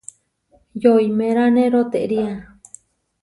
Yoimeráne rotería.